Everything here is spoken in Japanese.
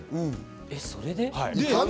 それで？